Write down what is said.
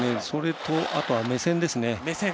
それと、あとは目線ですね。